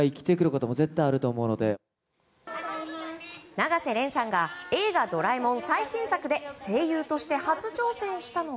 永瀬廉さんが「映画ドラえもん」最新作で声優として初挑戦したのが。